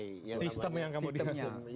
sistem yang kamu dihasilkan